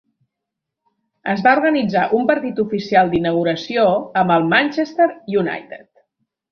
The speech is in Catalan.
Es va organitzar un partit oficial d'inauguració amb el Manchester United.